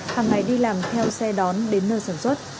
hàng ngày đi làm theo xe đón đến nơi sản xuất